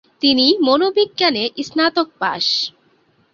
তিনি মনোবিজ্ঞানে স্নাতক পাশ।